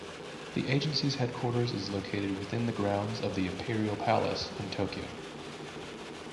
The agency's headquarters is located within the grounds of the Imperial Palace in Tokyo.